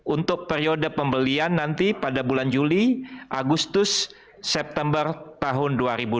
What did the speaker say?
untuk periode pembelian nanti pada bulan juli agustus september tahun dua ribu dua puluh